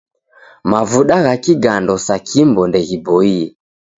Mavuda gha kigando sa Kimbo ndeghiboie.